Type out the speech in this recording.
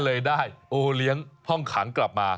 เลยได้โอเลี้ยงห้องขังกลับมา